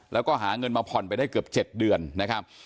แล้วก็หาเงินมาผ่อนไปได้เกือบ๗เดือนนะครับ